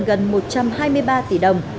gần một trăm hai mươi ba tỷ đồng